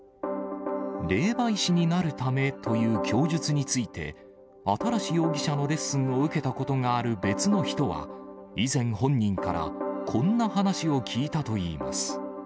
霊媒師になるためという供述について、新容疑者のレッスンを受けたことがある別の人は、以前、本人からこんな話を聞いたといいます。